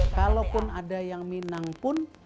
kalau pun ada yang minang pun